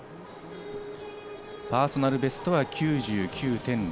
パーソナルベストは９９．０４。